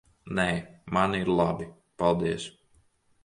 Nē, man ir labi. Paldies.